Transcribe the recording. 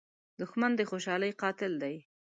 دښمن د خوشحالۍ قاتل دی